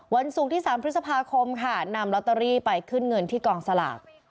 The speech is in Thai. วันศุกร์ที่๓พฤษภาคมค่ะนำลอตเตอรี่ไปขึ้นเงินที่กองสลาก